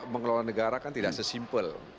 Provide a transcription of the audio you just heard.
mengelola negara kan tidak sesimpel